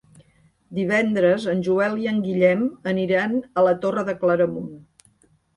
Divendres en Joel i en Guillem aniran a la Torre de Claramunt.